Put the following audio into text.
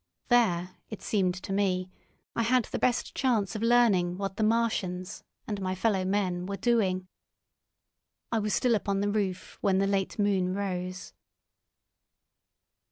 There, it seemed to me, I had the best chance of learning what the Martians and my fellowmen were doing. I was still upon the roof when the late moon rose.